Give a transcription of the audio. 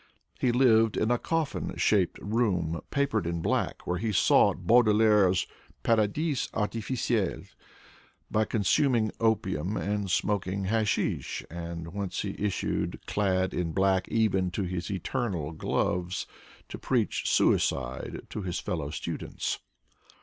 He lived in a coffin shaped room, papered in black, where he sought Baudelaire's '' paradis artificiels '^ by consuming opium and smoking hashish, and whence he issued, clad in black even to his eternal gloves, to preach suicide to his fellow students.